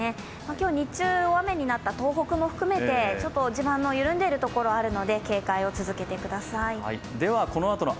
今日日中、大雨になった東北も含めて、地盤の緩んでいるところあるので警戒を続けてください。